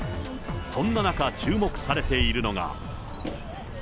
そんな中、注目されているのが。